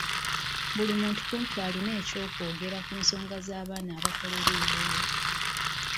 Buli muntu kumpi alina eky'okwogera ku nsonga y'abaana abakolera ebweru.